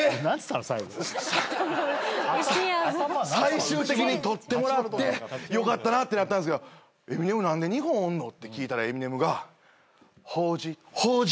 最終的に取ってもらって「よかったな！」ってなったんですけど「エミネム何で日本おんの？」って聞いたらエミネムが「法事」法事？